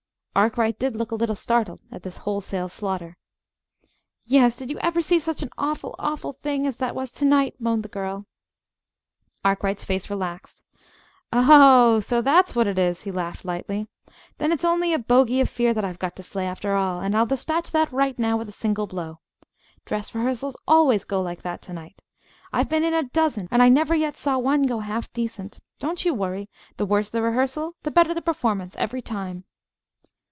Arkwright did look a little startled, at this wholesale slaughter. "Yes. Did you ever see such an awful, awful thing as that was to night?" moaned the girl. Arkwright's face relaxed. "Oh, so that's what it is!" he laughed lightly. "Then it's only a bogy of fear that I've got to slay, after all; and I'll despatch that right now with a single blow. Dress rehearsals always go like that to night. I've been in a dozen, and I never yet saw one go half decent. Don't you worry. The worse the rehearsal, the better the performance, every time!"